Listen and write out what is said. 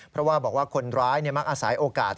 เพราะว่าบอกว่าคนร้ายมักอาศัยโอกาส